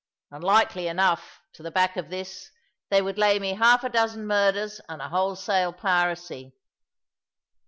And likely enough, to the back of this, they would lay me half a dozen murders and a wholesale piracy.